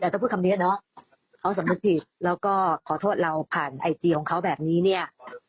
แต่ต้องพูดคำนี้เนอะเขาสำนึกผิดแล้วก็ขอโทษเราผ่านไอจีของเขาแบบนี้เนี่ย